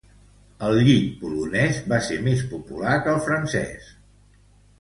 El llit polonés va ser més popular que el francés.